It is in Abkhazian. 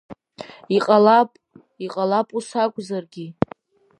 Иҟалап, иҟалап ус акәзаргьы!